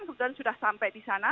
kebetulan sudah sampai di sana